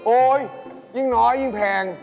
โอ๊ยยิ่งน้อยยิ่งแพง